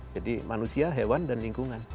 jadi manusia hewan dan lingkungan